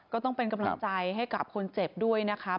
ก็ต้องเป็นกำลังใจให้กับคนเจ็บด้วยนะครับ